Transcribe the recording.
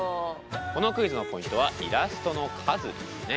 このクイズのポイントはイラストの数ですね。